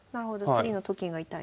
次のと金が痛いと。